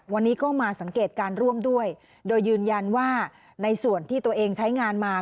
วันนี้ก็มาสังเกตการร่วมด้วยโดยยืนยันว่าในส่วนที่ตัวเองใช้งานมา